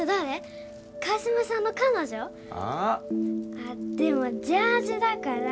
あっでもジャージーだから。